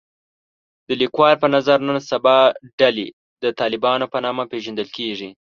د لیکوال په نظر نن سبا ډلې د طالبانو په نامه پېژندل کېږي